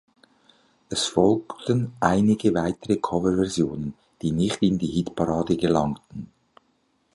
Es folgten einige weitere Coverversionen, die nicht in die Hitparade gelangten.